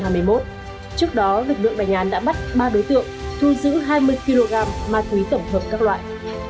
trước đó lực lượng đánh án đã bắt ba đối tượng thu giữ hai mươi kg ma túy tổng hợp các loại